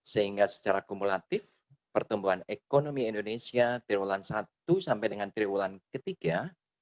sehingga secara kumulatif pertumbuhan ekonomi indonesia triwulan satu sampai dengan triwulan ketiga